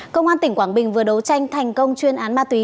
công an tỉnh quảng bình vừa đấu tranh thành công chuyên án ma túy